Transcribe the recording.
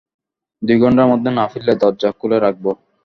দুই ঘণ্টার মধ্যে না ফিরলে, দরজা খুলে রাখব।